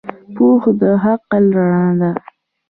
پوهه د عقل رڼا ده.